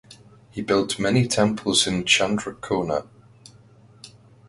He built many temples in Chandrakona.